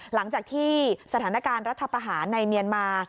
หลังจากที่สถานการณ์รัฐประหารในเมียนมา